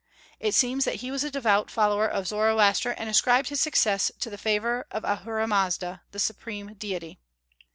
It seems that he was a devout follower of Zoroaster, and ascribed his successes to the favor of Ahura Mazda, the Supreme Deity.